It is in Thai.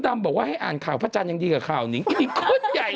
มดรัมบ่วนให้อ่านข่าวพระจันทร์อังดีการณ์ข่าวนิฉันอีกคนใหญ่เลย